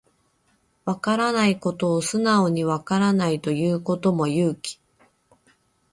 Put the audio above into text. わからないことを素直にわからないと言うことも勇気